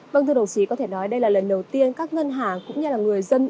vâng thưa đồng chí có thể nói đây là lần đầu tiên các ngân hàng cũng như là người dân